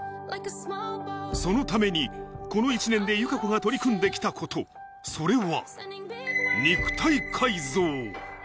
そのために、この１年で友香子が取り組んできたこと、それは、肉体改造。